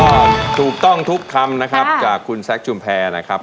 ก็ถูกต้องทุกคำนะครับจากคุณแซคชุมแพรนะครับ